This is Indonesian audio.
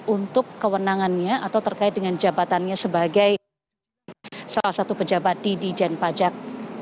untuk kewenangannya atau terkait dengan jabatannya sebagai salah satu pejabat di dijen pajak